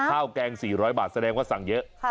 แกง๔๐๐บาทแสดงว่าสั่งเยอะ